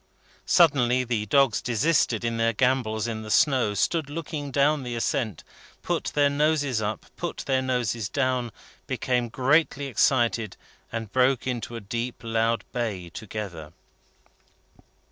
Suddenly the dogs desisted from their gambols in the snow, stood looking down the ascent, put their noses up, put their noses down, became greatly excited, and broke into a deep loud bay together.